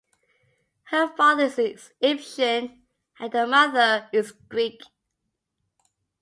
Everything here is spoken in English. Her father is Egyptian and her mother is Greek.